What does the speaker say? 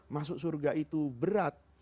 masuk surga itu berat